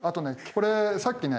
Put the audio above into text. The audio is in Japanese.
これさっきね